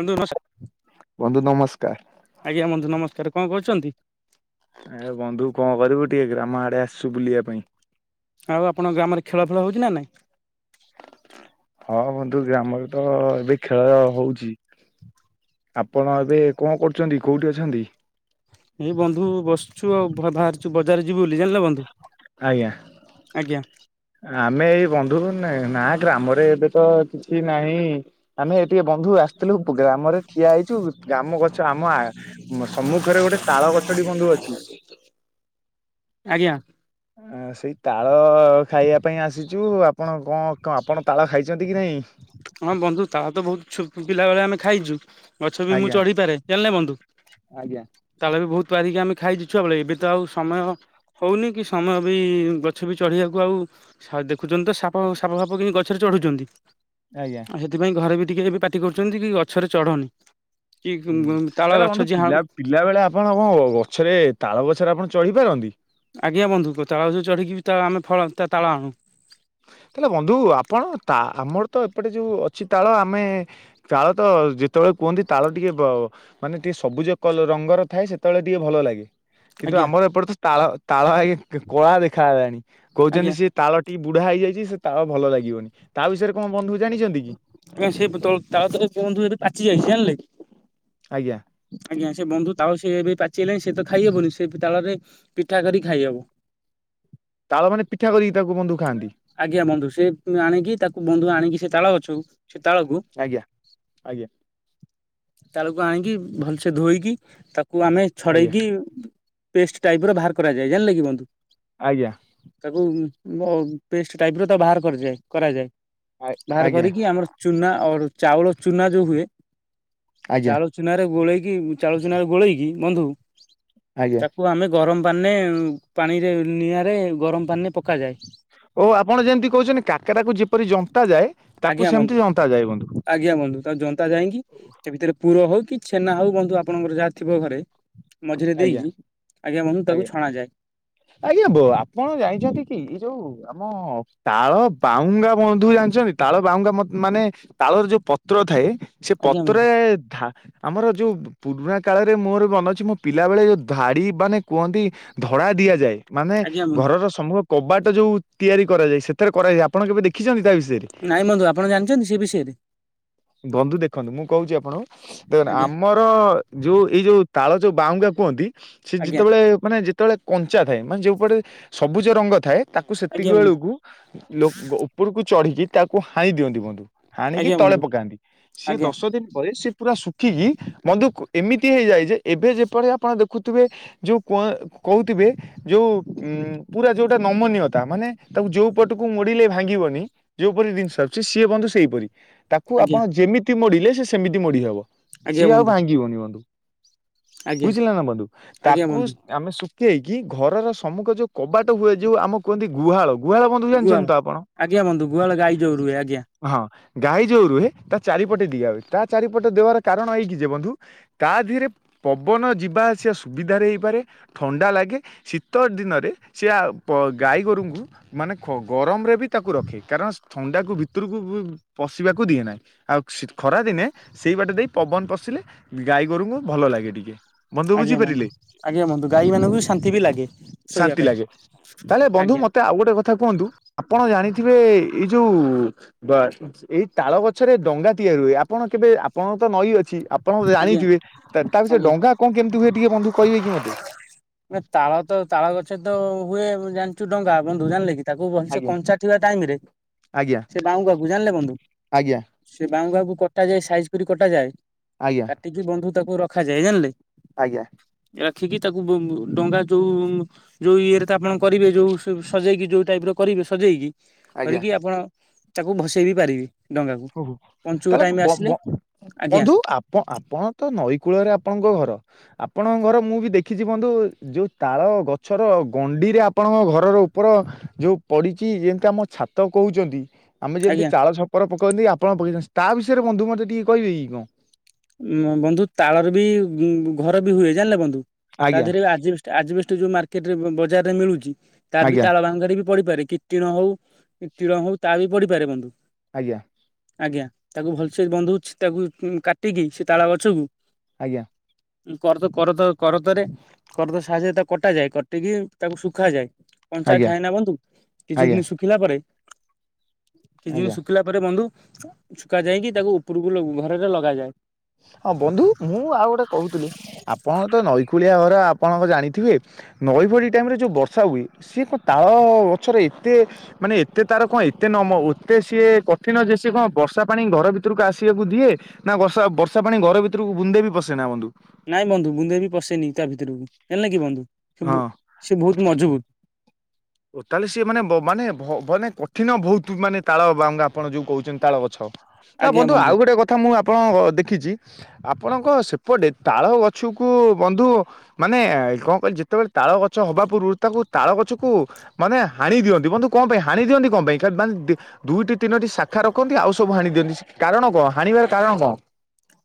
ବନ୍ଧୁ ନମସ୍କାର, ବନ୍ଧୁ ନମସ୍କାର। ଆଜ୍ଞା ବନ୍ଧୁ ନମସ୍କାର କଣ କରୁଚନ୍ତି। ଏ ବନ୍ଧୁ କଣ କରିବୁ ଟିକେ ଗ୍ରାମ ଆଡ଼େ ଆସିଛୁ ବୁଲିବା ପାଇଁ ଆଉ ଆପଣଙ୍କ ଗ୍ରାମରେ ଖେଳ ଫେଳ ହଉଛି ନା ନାଇଁ ହଁ ବନ୍ଧୁ ଗ୍ରାମରେ ତ ଏବେ ଖେଳ ହଉଛି। ଆପଣ ଏବେ କଁ କରୁଚନ୍ତି କୋଉଠି ଅଛନ୍ତି? ଏଇ ବନ୍ଧୁ ବସିଛୁ ଆଉ ବାହାରିଛୁ ବଜାର ଯିବୁ ବୋଲି ଜାଣିଲେ ବନ୍ଧୁ ଆଜ୍ଞା ଆଜ୍ଞା ଆମେ ଏଇ ବନ୍ଧୁ ଘରେ ନାଁ, ନାଁ ଗ୍ରାମରେ ଏବେ ତ କିଛି ନାହିଁ। ଆମେ ଏବେ ଟିକେ ବନ୍ଧୁ ଆସିଥିଲୁ ଗ୍ରାମରେ ଠିଆ ହେଇଛୁ ଗ୍ରାମ ଗଛ ଆମ ଆ ସମ୍ମୁଖରେ ଗୋଟେ ତାଳ ଗଛଟି ବନ୍ଧୁ ଅଛି। ଆଜ୍ଞା ଆଁ ସେଇ ତାଳ ଖାଇବା ପାଇଁ ଆସିଛୁ ଆଉ ଆପଣ କଁ ଆପଣ ତାଳ ଖାଇଚନ୍ତି କି ନାହିଁ? ହଁ ବନ୍ଧୁ ତାଳ ତ ବହୁତ ଛୋଟ ପିଲା ବେଳେ ଆମେ ଖାଇଚୁ। ଗଛ ବି ମୁଁ ଆଜ୍ଞା। ଚଢିପାରେ ଜଣିଲେ ବନ୍ଧୁ ଆଜ୍ଞା ତାଳବି ବହୁତ ପାରିକି ଆମେ ଖାଇଛୁ ଛୁଆବେଳେ ଏବେ ତ ଆଉ ସମୟ ହଉନି କି ସମୟ ବି ଗଛ ବି ଚଢ଼ିବାକୁ ଆଉ ଦେଖୁଚନ୍ତି ତ ସାପ ସାପଫାପ କେମିତି ଗଛରେ ଚଢୁଛନ୍ତି ଆଜ୍ଞା ଆଉ ସେଥିପାଇଁ ଘରେ ବି ଟିକେ ଏବେ ପାଟି କରୁଚନ୍ତି କି ଗଛରେ ଚଢନି କି ତାଳ ଗଛ ଯିଏ ହାଣୁଛି ପିଲାବେଳେ ଆପଣ କଣ ଗଛରେ ତାଳ ଗଛରେ ଆପଣ ଚଢ଼ିପାରନ୍ତି? ଆଜ୍ଞା ବନ୍ଧୁ ତାଳ ଗଛ ଚଢ଼ିକି ତ ଆମେ ଫଳ ତାଳ ଆଣୁ ତାହେଲେ ବନ୍ଧୁ ଆପଣ ତା ଆମର ତ ଏପଟେ ଯେଉଁ ଅଛି ତାଳ ଆମେ ତାଳ ତ ଯେତେବେଳେ କୁହନ୍ତି ତାଳ ଟିକେ ମାନେ ଟିକେ ସବୁଜ କଲର ରଙ୍ଗର ଥାଏ ସେତେବେଳେ ଟିକେ ଭଲ ଲାଗେ। କିନ୍ତୁ ଆଜ୍ଞା। ଆମର ଏପଟ ତ ତାଳ ତାଳ ଆଜ୍ଞା କଳା ଦେଖା ହେଲାଣି କହୁଛନ୍ତି ଆଜ୍ଞା ସେ ତାଳ ବୁଢା ହେଇଯାଇଛି ସେ ତା ଭଲ ଲାଗିବନି ତା ବିଷୟରେ କଣ ବନ୍ଧୁ ଜାଣିଛନ୍ତି କି? ସେ ତାଳ ତଳେ ବନ୍ଧୁ ଏ ପାଚି ଯାଇଛି ଜଣିଲେ କି ଆଜ୍ଞା ଆଜ୍ଞା ସେ ବନ୍ଧୁ ତାଳ ସେ ଏବେ ପାଚିଗଲଣି ସେ ତ ଖାଇହବନି ସେ ତାଳରେ ପିଠା କରିକି ଖାଇହବ। ତାଳ ମାନେ ପିଠା କରିକି ତାକୁ ବନ୍ଧୁ ଖାଆନ୍ତି। ଆଜ୍ଞା ବନ୍ଧୁ ସେ ଆଣିକି ତାକୁ ବନ୍ଧୁ ଆଣିକି ସେ ତାଳ ଗଛକୁ ସେ ତାଳକୁୁ ଆଜ୍ଞା ଆଜ୍ଞା ତାଳକୁ ଆଣିକି ଭଲସେ ଧୋଇକି ତାକୁ ଆମେ ଆଜ୍ଞା ଛଡେଇକି ପେଷ୍ଟ ଟାଇପି ରେ ବାହାର କରାଯାଏ ଜାଣିଲେ କି ବନ୍ଧୁ ଆଜ୍ଞା ତାକୁ ପେଷ୍ଟ ଟାଇପ ର ତା ବାହାର କରାଯାଏ ଆ ବାହାର ଆଜ୍ଞା କରିକି ଆମର ଚୁନା ଅର ଚାଉଳ ଚୁନା ଯୋଉ ହୁଏ ଆଜ୍ଞା ଚାଉଳ ଚୁନାରେ ଗୋଳେଇକି ଚାଉଳ ଚୁନାରେ ଗୋଳେଇକି ବନ୍ଧୁ ଆଜ୍ଞା ତାକୁ ଆମେ ଗରମ ପାଣିରେ ପାଣିରେ ନିଆଁରେ ଗରମ ପାଣିରେ ପକାଯାଏ ଓ ଆପଣ ଯେମିତି କହୁଛନ୍ତି କାକରା କୁ ଯେପରି ଜନ୍ତା ଯାଏ ତାକୁ ଆଜ୍ଞା ସେମିତି ବନ୍ଧୁ ଜନ୍ତା ଯାଏ ବନ୍ଧୁ। ଆଜ୍ଞା ବନ୍ଧୁ ତ ଜନ୍ତା ଯାଇକି ସେ ଭିତରେ ପୁର ହଉ କି ଛେନା ହଉ ବନ୍ଧୁ ଆପଣଙ୍କର ଯାହା ଥିବ ଘରେ ମଝିରେ ଆଜ୍ଞା ଦେଇକି ଆଜ୍ଞା ବନ୍ଧୁ ତାକୁ ଛଣା ଯାଏ ଆଜ୍ଞା ବୋ ଆପଣ ଜାଣିଛନ୍ତି କି ଏଇ ଯୋଉ ଆମ ତାଳ ବାଉଙ୍ଗା ବନ୍ଧୁ ଜାଣିଛନ୍ତି ତାଳ ବାହୁଙ୍କା ମାନେ ତାଳର ଯୋଉ ପତ୍ର ଥାଏ ସେ ଆଜ୍ଞା ବନ୍ଧୁ ପତ୍ରରେ ଧା ଆମର ଯୋଉ ପୁରୁଣା କାଳରେ ମୋର ମନ ଅଛି ମୋ ପିଲାବେଳେ ଯୋଉ ଧାଡି ମାନେ କୁହନ୍ତି ଧଡା ଦିଆଯାଏ ମାନେ ଆଜ୍ଞା ବନ୍ଧୁ ଘର ସମ କବାଟ ଯୋଉ ତିଆରି କରାଯାଏ ସେଥିରେ କରାଯାଇଛି ଆପଣ କେବେ ଦେଖିଛନ୍ତି ତା ବିଷୟରେ ନାଇଁ ବନ୍ଧୁ ଆପଣ ଜାଣିଛନ୍ତି ସେ ବିଷୟରେ ବନ୍ଧୁ ଦେଖନ୍ତୁ ମୁଁ କହୁଛି ଆପଣଙ୍କୁ ଦେଖନ୍ତୁ ଆଜ୍ଞା ଆମର ଯୋଉ ଏଇ ଯୋଉ ତାଳ ଯୋଉ ବାଉଙ୍ଗା କୁହନ୍ତି ସେ ଆଜ୍ଞା ଯେତେବେଳେ ମାନେ ଯେତେବେଳେ କଞ୍ଚା ଥାଏ ମାନେ ଯୋଉପଟେ ସବୁଜ ରଙ୍ଗ ଥାଏ ତାକୁ ସେତିକି ଆଜ୍ଞା ବନ୍ଧୁ ବେଳକୁ ଲୋକ ଉପରକୁ ଚଢ଼ିକି ତାକୁ ହାଣି ଦିଅନ୍ତି ବନ୍ଧୁ ହାଣିକି ଆଜ୍ଞା ତଳେ ବନ୍ଧୁ ପକାନ୍ତି ସିଏ ଆଜ୍ଞା ଦଶ ଦିନ ପରେ ସିଏ ପୁରା ସୁ ଶୁଖିକି ଦେଖିକି ବନ୍ଧୁ ଏମିତି ହେଇଯାଏ ଯେ ଏବେ ଯେପରି ଆପଣ ଦେଖୁଥିବେ ଯୋଉ କ କହୁଥିବେ ଯୋଉ ଉଁ ପୁରା ଯୋଉଟା ନମନୀୟତା ମାନେ ତାକୁ ଯୋଉ ପଟକୁ ମୋଡିଲେ ଭାଙ୍ଗିବନି ଯୋଉପରି ଜିନିଷ ଆସୁଛି ସିଏ ବନ୍ଧୁ ସେଇପରି ତାକୁ ତାକୁ ଆପଣ ଆଜ୍ଞା ଯେମିତି ମୋଡିଲେ ସେ ସେମିତି ମୋଡି ହବ ଆଜ୍ଞା ସିଏ ଆଉ ବନ୍ଧୁ ଭାଙ୍ଗିବନି ବନ୍ଧୁ ଆଜ୍ଞା ବୁଝିଲ ନା ବନ୍ଧୁ ଆଜ୍ଞା ତାକୁ ବନ୍ଧୁ ଆମେ ଶୁଖେଇ କି ଘରର ସମ୍ମୁଖ ଯୋଉ କବାଟ ହୁଏ ଯଉ ଆମକୁ କୁହନ୍ତି ଗୁହାଳକୁ ଗୁହାଳ ବନ୍ଧୁ ଗୁହାଳ ଜାଣିଛନ୍ତି ତ ଆପଣ ଆଜ୍ଞା ବନ୍ଧୁ ଗୁହାଳ ଗାଈ ଯୋଉ ରୁହେ ଆଜ୍ଞା ହଁ ଗାଈ ଯୋଉ ରୁହେ ତା ଚାରିପଟେ ଦିଆ ହୁଏ ତା ଚାରିପଟେ ଦେବାର କାରଣ ଏଇକି ଯେ ବନ୍ଧୁ ତା ଦେହରେ ପବନ ଯିବା ଆସିବା ସୁବିଧାରେ ହେଇପାରେ ଥଣ୍ଡା ଲାଗେ ଶୀତ ଦିନରେ ସେ ଗାଈ ଗୋରୁଙ୍କୁ ମାନେ ଗରମରେ ବି ତାକୁ ରଖେ କାରଣ ଥଣ୍ଡାକୁ ଭିତରକୁ ପଶିବାକୁ ଦିଏ ନାହିଁ। ଆଉ ଖରା ଦିନେ ସେଇ ବାଟେ ଦେଇ ପବନ ପଶିଲେ ଗାଈ ଗୋରୁଙ୍କୁ ଭଲ ଲାଗେ ଟିକେ। ଆଜ୍ଞା ବନ୍ଧୁ ଆଜ୍ଞା ବନ୍ଧୁ ଗାଈ ମାନଙ୍କୁ ବି ଶାନ୍ତି ବି ଲାଗେ ଶୋଇବା ଶାନ୍ତି ପାଇଁ ଲାଗେ ତାହେଲେ ବନ୍ଧୁ ଆଜ୍ଞା ମତେ ଆଉ ଗୋଟେ କଥା କୁହନ୍ତୁ ଆପଣ ଜାଣିଥିବେ ଏଇ ଯୋଉ ବା ଏଇ ତାଳ ଗଛରେ ଡଙ୍ଗା ତିଆରି ହୁଏ ଆପଣ କେବେ ଆପଣଙ୍କ ତ ନଈ ଅଛି। ଆପଣ ଆଜ୍ଞା ଜାଣିଥିବେ। ତା ବିଷୟରେ ଆଜ୍ଞା ଡଙ୍ଗା କଣ କେମିତି ହୁଏ ଟିକେ ବନ୍ଧୁ କହିବେ କି ମୋତେ? ନା ତାଳ ତ ତାଳ ଗଛ ତ ହୁଏ ଜାଣିଛୁ, ଡଙ୍ଗା ଆପଣ ଜାଣିଲେ କି। ତାକୁ ସେ ଗଛ ଆଜ୍ଞା କଞ୍ଚା ଥିବା ଟାଇମ୍ ରେ ଆଜ୍ଞା ସେ ବାହୁଙ୍ଗାକୁ ଜାଣିଲେ ବନ୍ଧୁ ଆଜ୍ଞା ସେ ବାହୁଙ୍ଗା କୁ କଟା ଯାଏ, ସାଇଜ୍ କରି କଟାଯାଏ। ଆଜ୍ଞା କାଟିକି ବନ୍ଧୁ ତାକୁ ରଖାଯାଏ ଜାଣିଲି। ଆଜ୍ଞା ରାଖିକି ତାକୁ ଡଙ୍ଗା ଯୋଉ ଯୋଉ ଇଏରେ ତା ଆପଣ କରିବେ ଯେଉଁ ସଜେଇକି ଯେଉଁ ଟାଇପର କରିବେ ସଜେଇକି। ଆଜ୍ଞା କରିକି ଆପଣ ତାକୁ ଭସେଇ ବି ପାରିବି। ହଉ ହଉ ତାହାଲେ ବ ବ ଆଜ୍ଞା ବନ୍ଧୁ ଆପଣ ତ ନଈ କୂଳରେ ଆପଣଙ୍କ ଘର ଆପଣଙ୍କ ଘର ମୁଁ ବି ଦେଖିଛି ବନ୍ଧୁ। ଯେଉଁ ତାଳ ଗଛର ଗଣ୍ଡିରେ ଆପଣଙ୍କ ଘରର ଉପର ଯେଉଁ ପଡ଼ିଛି। ଯେମିତି ଆମ ଛାତ ତ କହୁଛନ୍ତି। ଆମେ ଆଜ୍ଞା ଯେମିତି ଚାଳ ଛପର ପକାଉଛନ୍ତି। ଆପଣ ପକେଇଛନ୍ତି ତା ବିଷୟରେ ବନ୍ଧୁ ମୋତେ ଟିକେ କହିବେ କି କଣ? ଉ ବନ୍ଧୁ ତାଳରେ ବି ଘର ବି ହୁଏ। ଜାଣିଲେ ବନ୍ଧୁ ତା ଆଜ୍ଞା ଦେହରେ ଆଜ ଆଜବେଷ୍ଟ ଯୋଉ ମାର୍କେଟରେ ବଜାରରେ ମିଳୁଛି ତା ବି ଆଜ୍ଞା ତାଳ ଭାଙ୍ଗ ବି ପଡିପାରେ କି? ଟିଣ ହଉ ଟିଣ ହଉ ତା ବି ପଢିପାରେ ବନ୍ଧୁ। ଆଜ୍ଞା। ଆଜ୍ଞା ତାକୁ ଭଲସେ ବନ୍ଧୁ ହଉଛି ତାକୁ କାଟିକି ସେ ତାଳ ଗଛକୁ ଆଜ୍ଞା ବଡ଼ କର କର କରଦରେ କରତ ସାହାଯ୍ୟରେ ତାକୁ କଟାଯାଏ। କାଟିକି ତାକୁ ଶୁଖାଯାଏ। କଞ୍ଚା ଆଜ୍ଞା ଥାଏ ନା ବନ୍ଧୁ। କିଛି ଆଜ୍ଞା ଦିନ ଶୁଖିଲା ପରେ କିଛି ଆଜ୍ଞା ଆଜ୍ଞା। ଦିନ ଶୁଖିଲା ଉପରେ ବନ୍ଧୁ ଛୁକା ଯାଇକି। ତାକୁ ଉପରକୁ ଘରରେ ଲଗାଯାଏ। ହଁ ବନ୍ଧୁ ମୁଁ ଆଉ ଗୋଟେ କହୁଥିଲି। ଆପଣ ତ ନଈକଳିଆ ଘର ଆପଣତ ଜାଣିଥିବେ? ନଈ ବଡ଼ି ଟାଇମ୍ ରେ ଯେଉଁ ବର୍ଷା ହୁଏ ସିଏ କଣ ତାଳ ଗଛରେ ଏତେ ମାନେ ଏତେ ତାର କଣ ଏତେ ନ ଏତେ ସିଏ କଠିନ ଯେ ସିଏ କଣ ବର୍ଷା ପାଣି ଘର ଭିତରକୁ ଆସିବାକୁ ଦିଏ? ନା ବର୍ଷା ବର୍ଷା ପାଣି ଘର ଭିତରକୁ ବୁନ୍ଦେ ବି ପଶେ ନା ବନ୍ଧୁ। ନାଇଁ ବନ୍ଧୁ ବୁନ୍ଦେ ବି ପଶେନି ତା ଭିତରକୁ ହେଲା କି ବନ୍ଧୁ, ହଁ। ସେ ବହୁତ ମଜବୁତ। ଓ ତାହେଲେ ସିଏ ମାନେ ମାନେ ମାନେ କଠିନ ବହୁତ ମାନେ ତାଳ ବା ଆପଣ ଯୋଉ କହୁଛନ୍ତି। ତାଳ ଗଛ ତା ବନ୍ଧୁ ଆଉ ଗୋଟେ କଥା ମୁଁ ଆପଣଙ୍କ ଦେଖିଛି। ଆପଣଙ୍କ ସେପଟେ ତାଳ ଗଛକୁ ବନ୍ଧୁ ମାନେ କଣ କହିଲେ ଯେତେବେଳେ ତାଳ ଗଛ ହବା ପୂର୍ବରୁ ତାକୁ ତାଳ ଗଛକୁ। ମାନେ ହାଣି ଦିଅନ୍ତି ବନ୍ଧୁ କଣ ପାଇଁ ହାଣି ଦିଅନ୍ତି କଣ ପାଇଁ। ଦୁଇଟି ତିନୋଟି ଶାଖା ରଖନ୍ତି। ଆଉ ସବୁ ହାଣି ଦିଅନ୍ତି। କାରଣ କଣ ହାଣିବାର କାରଣ କଣ?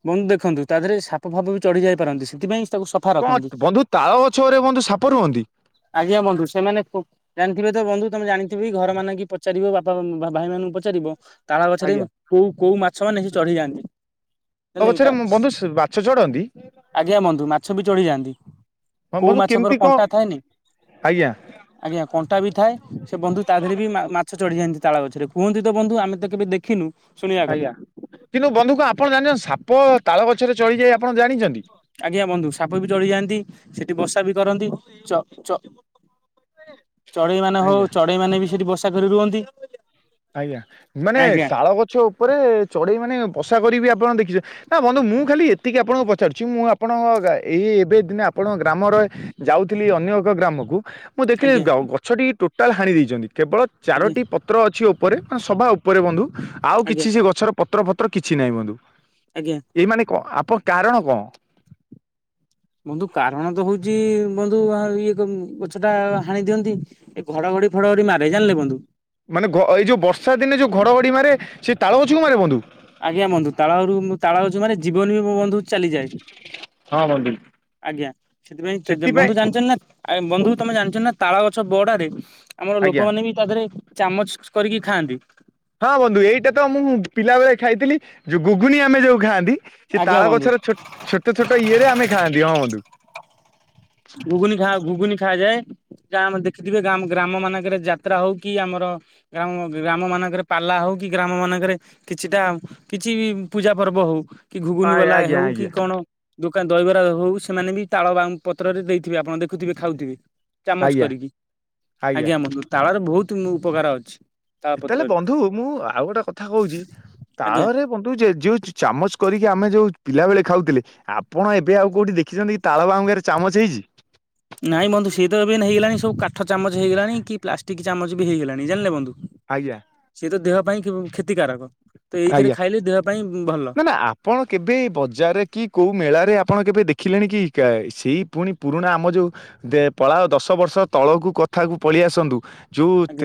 ବନ୍ଧୁ ଦେଖନ୍ତୁ ତା ଦେହରେ ସାପ ଫାପ ବି ଚଢି ଯାଇ ପାରନ୍ତି ସେଥିପାଇଁ ତାକୁ ସଫା କଣ ରଖନ୍ତି ବନ୍ଧୁ ତାଳ ଗଛରେ ମଧ୍ୟ ସାପ ରୁହନ୍ତି? ଆଜ୍ଞା ବନ୍ଧୁ ସେମାନେ ଖୁବ୍? ଜାଣିଥିବେ ତ ବନ୍ଧୁ ତମେ ଜାଣିଥିବେ? କି ଘର ମାନ କି ପଚାରିବ ବାପା ଭାଇ ମାନଙ୍କୁ ପଚାରିବ। ତାଳ ଗଛରେ ଆଜ୍ଞା କୋଉ କୋଉ ମାଛ ମାନେ ଚଢ଼େଇ ଯାଆନ୍ତି? ହେ ତାଳ ଗଛରେ ବନ୍ଧୁ ବାଛ ଚଢନ୍ତି ଆଜ୍ଞା ବନ୍ଧୁ ମାଛ ବି ଚଢିଯାଆନ୍ତି। ହଁ କୋଉ ବନ୍ଧୁ ମାଛ କେମିତି ପର କଣ କଣ୍ଟା ଥାଏନି। ଆଜ୍ଞା ଆଜ୍ଞା! କଣ୍ଟା ବି ଥାଏ ସେ ବନ୍ଧୁ ତା ଦେହରେ ବି ମାଛ ଚଢ଼ିଯାଆନ୍ତି ତାଳ ଗଛରେ। କୁହନ୍ତି ତ ବନ୍ଧୁ ଆମେ ତ କେବେ ଦେଖିନୁ। ଶୁଣିବା କଥା। ଆଜ୍ଞା! କିନ୍ତୁ ବନ୍ଧୁ କଣ ଆପଣ ଜାଣିଛନ୍ତି ସାପ ତାଳ ଗଛରେ ଚଢିଯାଏ ଆପଣ ଜାଣିଛନ୍ତି। ଆଜ୍ଞା ବନ୍ଧୁ ସାପବି ଚଢିଯାଆନ୍ତି ସେଠି ବସାବି କରନ୍ତି ଚ ଚ [unintelligible] ଚଢେଇ ମାନେ ହଉ ଆଜ୍ଞା ଚଢେଇ ମାନେବି ସେଠି ବସା କରି ରୁହନ୍ତି? ଆଜ୍ଞା। ମାନେ ଆଜ୍ଞା ତାଳ ଗଛଉପରେ ଚଢେଇମାନେ ବସା କରିବି ଆପଣ ଦେଖିଛନ୍ତି? ନା ବନ୍ଧୁ ମୁଁ ଖାଲି ଏତିକି ଆପଣଙ୍କୁ ପଚାରୁଚି, ମୁଁ ଆପଣଙ୍କ ଏଇ ଏବେ ଦିନେ ଆପଣଙ୍କ ଗ୍ରାମରେ ଯାଉଥିଲି ଅନ୍ୟ ଏକ ଗ୍ରାମକୁ ମୁଁ ଦେଖିଲି ଆଜ୍ଞା ଗଛଟି ଟୋଟାଲ୍ ହାଣି ଦେଇଚନ୍ତି, କେବଳ ଆଜ୍ଞା ଚାରୋଟି ପତ୍ର ଅଛି ଓପ୍ ଉପରେ, ହଁ ସଭା ଉପରେ ବନ୍ଧୁ, ଆଉ ଆଜ୍ଞା କିଛି ସେ ଗଛର ପତ୍ର ଫତ୍ର କିଛି ନାହିଁ ବନ୍ଧୁ। ଆଜ୍ଞା। ଏଇମାନେ କଣ, ଆପଣ କାରଣ କଣ? ବନ୍ଧୁ କାରଣ ତ ହଉଚି ବନ୍ଧୁ ଇଏ, ଗଛଟା ହାଣି ଦିଅନ୍ତି। ଏ ଘଡଘଡି ଫଡଘଡି ମାରେ, ଜାଣିଲେ ବନ୍ଧୁ? ମାନେ ଗ ଏଇ ଯୋଉ ବର୍ଷା ଦିନେ ଯୋଉ ଘଡ଼ଘଡ଼ି ମାରେ, ସେ ତାଳ ଗଛକୁ ମାରେ ବନ୍ଧୁ? ଆଜ୍ଞା ବନ୍ଧୁ, ତାଳରୁ ତାଳଗଛକୁ ମାରେ, ଜୀବନ ବି ବନ୍ଧୁ ଚାଲିଯାଏ, ହଁ ବନ୍ଧୁ। ଆଜ୍ଞା, ସେଥିପାଇଁ ବନ୍ଧୁ ଜାଣିଚନ୍ତି ନା ଆଏ ବନ୍ଧୁ ତମେ ଜାଣିଚନା ତାଳଗଛ ବଅଡାରେ, ଆମର ଆଜ୍ଞା ଲୋକମାନେବି ତାଦେହରେ ଚାମଚ୍ କରିକି ଖାଆନ୍ତି। ହଁ ବନ୍ଧୁ ଏଇଟାତ ମୁଁ ପିଲାବେଳେ ଖାଇଥିଲି, ଯୋଉ ଗୁଗୁନି ଆମେ ଯୋଉ ଖାଆନ୍ତି ସେ ଆଜ୍ଞା ବନ୍ଧୁ ତାଳଗଛର ଛୋଟ ଛୋଟ ଇଏରେ ଆମେ ଖାଆନ୍ତି, ହଁ ବନ୍ଧୁ ଘୁଗୁନି ଖା ଘୁଗୁନି ଖାଆଯାଏ। ଯାହା ଆମ ଦେଖିଥିବେ, ଗାଁ ଗ୍ରାମ ମାନଙ୍କରେ ଯାତ୍ରା ହଉକି ଆମର ଗ୍ରାମ ଗ୍ରାମ ମାନଙ୍କରେ ପାଲା ହଉ କି, ଗ୍ରାମ ମାନଙ୍କରେ କିଛିଟା, କିଛି ପୂଜା ପର୍ବ ହଉ କି ଘୁଗୁନ ହଁ ବାଲା ଆଜ୍ଞା ହଉ କି ଆଜ୍ଞା କଣ, ଦୋକାନ ଦହିବରା ହଉ, ସେମାନେ ବି ତାଳବାହୁ ପତ୍ରରେ ଦେଇଥିବେ ଆପଣ ଦେଖୁଥିବେ, ଖାଉଥିବେ ଚାମଚ ଆଜ୍ଞା କରିକି, ଆଜ୍ଞା ଆମକୁ ତାଳରେ ବହୁତ୍ ଉପକାର ଅଛି। ତାଳ ତାହେଲେ ପତ୍ରରେ ବନ୍ଧୁ ମୁଁ ଆଉ ଗୋଟେ କଥା କହୁଚି, ଆଜ୍ଞା। ତାଳରେ ବନ୍ଧୁ ଯେ ଯେଉଁ ଚାମଚ୍ କରିକି ଆମେ ଯୋଉ ପିଲାବେଳେ ଖାଉଥିଲେ ଆପଣ ଏବେ ଆଉ କୋଉଠି ଦେଖିଚନ୍ତିକି, ତାଳ ବାହୁଙ୍ଗାରେ ଚାମଚ୍ ହେଇଚି? ନାଇଁ ବନ୍ଧୁ, ସେତ ଏବେ ହେଇଗଲାଣି, ସବୁ କାଠ ଚାମଚ ହେଇଗଲାଣି, କି ପ୍ଲାଷ୍ଟିକ ଚାମଚବି ହେଇଗଲାଣି, ଜାଣିଲେ ବନ୍ଧୁ? ଆଜ୍ଞା। ସିଏତ ଦେହ ପାଇଁ କ୍ଷତିକାରକ। ତ ଏଇଥିରେ ଆଜ୍ଞା, ଖାଇଲେ ଦେହ ପାଇଁ ଭଲ ମାନେ ଆପ୍ ଆପଣ କେବେ ବଜାରରେ କି କୋଉ ମେଳାରେ ଆପଣ କେବେ ଦେଖିଲେଣିକି, କେ ସେଇ ପୁଣି ପୁରୁଣା ଆମ ଯୋଉ ଦେ ପଳାଅ, ଦଶ ବର୍ଷ ତଳକୁ କଥାକୁ ପଳେଇଆସନ୍ତୁ ଯୋଉ ଆଜ୍ଞା।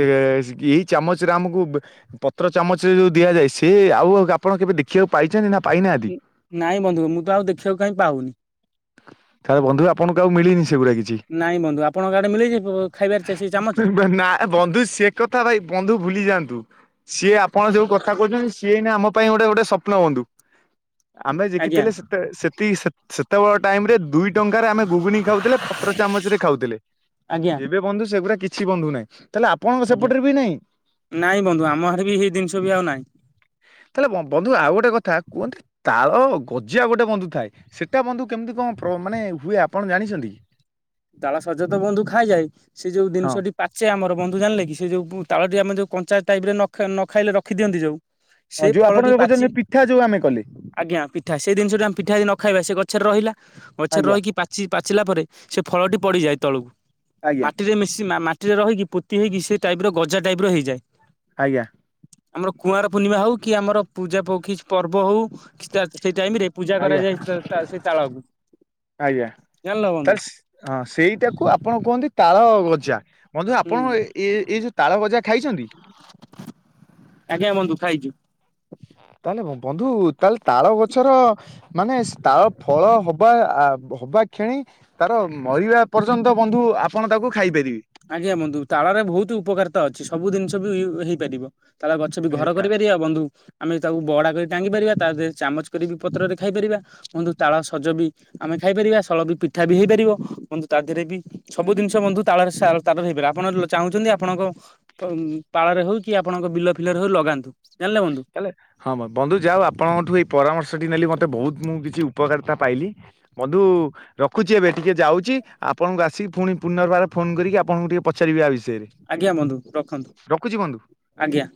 ଏଇ ଚାମଚରେ ଆମକୁ ପତ୍ର ଚାମଚରେ ଯଉ ଦିଆଯାଏ ସିଏ ଆଉ ଆପଣ କେବେ ଦେଖିବାକୁ ପାଇଚନ୍ତି ନା? ପାଇନାହାନ୍ତି? ନାଇଁ ବନ୍ଧୁ, ମୁଁତ ଆଉ ଦେଖିବାକୁ କାଇଁ ପାଉନି? ଆରେ ବନ୍ଧୁ ଆଣଙ୍କୁ ଆଉ ମିଳିନି ସେଗୁରା କିଛି ନାଇଁ ବନ୍ଧୁ, ଆପଣଙ୍କ ଆଡେ ମିଳେକି ଖାଇବାରେ ସେ ସେଇଚାମଚ ଏ ବନ୍ଧୁ ସେ କଥା ଭାଇ, ବନ୍ଧୁ ଭୁଲି ଯାଆନ୍ତୁ, ସିଏ ଆପଣ ଯୋଉ କଥା କହୁଚନ୍ତି ସିଏ ଏଇନା ଆମପାଇଁ ଗୋଟେ ଗୋଟେ ସପ୍ନ ବନ୍ଧୁ। ଆମେ ଆଜ୍ଞା ଦେଖିଥିଲେ ସେତେ ସେତି ସେତେବେଳେ ଟାଇମ୍ ରେ ଦୁଇ ଟଙ୍କାରେ ଆମେ ଘୁଗୁନି ଖାଉଥିଲେ, ପ ପତ୍ର ଚାମଚରେ ଖାଉଥିଲେ, ଆଜ୍ଞା ଏବେ ବନ୍ଧୁ ସେଗୁଡା କିଛି ବନ୍ଧୁ ନାହିଁ, ତାହେଲେ ଆପଣଙ୍କ ଆଜ୍ଞା ସେପଟରେବି ନାହିଁ? ନାଇଁ ବନ୍ଧୁ, ଆମ ଆଡେ ବି ହେଇ ଜିନଷବି ଆଉ ନାହିଁ। ତାହେଲେ ବନ୍ଧୁ ଆଉ ଗୋଟେ କଥା, କୁହନ୍ତି ତାଳ ଗଜିଆ ଗୋଟେ ବନ୍ଧୁ ଥାଏ ସେଟା ବନ୍ଧୁ କେମିତି କଣ ପ୍ର ମାନେ ହୁଏ, ଆପଣ ଜାଣିଚନ୍ତି କି? ତାଳ ସଜତ ବନ୍ଧୁ ଖାଆଯାଏ, ସେଯୋଉ ହଁ ଜିନିଷଟି ପାଚେ ଆମର, ବନ୍ଧୁ ଜାଣିଲେକି, ସେଯୋଉ ତାଳଟି ଆମେ ଯୋଉ କଞ୍ଚା ଟାଇପ୍ ରେ ନ ଖାଇଲେ, ନଖାଇଲେ ରଖିଦିଅନ୍ତି ଯୋଉ ସେ ଫଳଟି ପାଚି କଲି ଆଜ୍ଞା ପିଠା ସେ ଜିନିଷ ଆମ ପିଠା ଯଦି ନ ଖାଇବା ସେ ଗଛରେ ରହିଲା ଗଛରେ ଆଜ୍ଞା ରହିକି ପା ଚି ପାଚିଲା ପରେ ସେ ଫଳଟି ପଡିଯାଏ ତଳକୁ ଆଜ୍ଞା ମାଟିରେ ମିଶି ମା ମା ରେ ରହିକି ପୋତି ହେଇକି ସେଇ ଟାଇପପ ର ଗଜା ଟାଇପ ର ହେଇାଯାଏ। ଆଜ୍ଞା। ଆମର କୁଆର ପୂର୍ଣ୍ଣିମା ହଉ କି ଆମର ପୂଜା କି ପର୍ବ ହଉ କି ସେଇ ଟାଇମ ରେ ପୂଜା ଆଜ୍ଞା କରାଯାଏ ସେଇ ତା ତାଳକୁ ଆଜ୍ଞା ଜାଣିଲ ବନ୍ଧୁ। ତାହେଲେ ହଁ ସେଇଟାକୁ ଆପଣ କୁହନ୍ତି ତାଳ ଗଜା ବନ୍ଧୁ ହୁଁ ଆପଣ ଏ ଏ ଏ ଯେଉଁ ତାଳ ଗଜା ଖାଇଛନ୍ତି? ଆଜ୍ଞା ବନ୍ଧୁ ଖାଇଚୁ। ତାହେଲେ ବନ୍ଧୁ ତାହେଲେ ତାଳ ଗଛର ମାନେ ତାଳ ଫଳ ହବା ହବା କ୍ଷଣି ତାର ମରିବା ପର୍ଯ୍ୟନ୍ତ ବନ୍ଧୁ ଆପଣ ତାକୁ ଖାଇପାରିବେ। ଆଜ୍ଞା ବଧୁ ତାଳରେ ବହୁତ ଉପକାରିତା ଅଛି ସବୁ ଜିନିଷ ବି ହେଇପାରିବ। ତାଳ ଗଛ ବି ଏ ଘର ତା କରିପାରିବା। ବନ୍ଧୁ ଆମେ ତାକୁ ବରଡା କରି ଟାଙ୍ଗି ପାରିବା ତାରେ ଚାମଚ କରି ବି ପତ୍ରରେ ଖାଇପାରିବା। ହୁନ୍ତୁ ତାଳ ସଜ ବି ଆମେ ଖାଇପାରିବା ସଳ ବି ପିଠା ବି ହେଇପାରିବ ବନ୍ଧୁ ତା ଦେହରେ ବି ସବୁ ଜିନିଷ ବନ୍ଧୁ ତାଳ [unintelligible] ତାଳରେ ହେଇପାରେ ଆପଣ ଚାହୁଁଛନ୍ତି ଆପଣଙ୍କ ପାଳରେ ହଉ କି ଆପଣଙ୍କ ବିଲ ଫିଲରେ ହଉ ଲଗାନ୍ତୁ ଜାଣିଲେ ବନ୍ଧୁ। କହଲେ ହଁ ବନ୍ଧୁ ଯାଅ ଆପଣଙ୍କଠୁ ଏଇ ପରାମର୍ଶ ଟି ନେଲି ମତେ ବହୁତ ମୁଁ କିଛି ଉପକାରିତା ପାଇଲି। ବନ୍ଧୁ ରଖୁଛି ଏବେ ଟିକେ ଯାଉଛି ଆପଣଙ୍କୁ ଆସିକି ପୁଣି ପୁନର୍ବାର ଫୋନ କରିକି ଆପଣଙ୍କୁ ଟିକେ ପଚାରିବି ଆ ବିଷୟରେ। ଆଜ୍ଞା ବନ୍ଧୁ ରଖନ୍ତୁ ରଖୁଛି ବନ୍ଧୁ। ଆଜ୍ଞା।